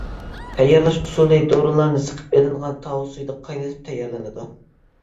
تەييارلاش ئۇسۇلى: دورىلارنى سىقىپ ئېلىنغان تاۋۇز سۈيىدە قاينىتىپ تەييارلىنىدۇ.